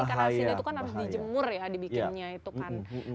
karena ikan asin itu kan harus dijemur ya dibikinnya itu kan